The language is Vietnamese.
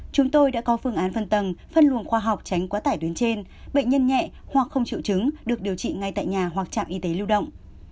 chúng tôi đã có phương án phân tầng phân luồng khoa học tránh quá tải tuyến trên bệnh nhân nhẹ hoặc không chịu chứng được điều trị ngay tại nhà hoặc trạm y tế lưu động